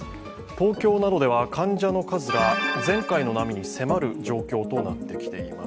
東京などでは患者の数が前回の波に迫る状況となってきています。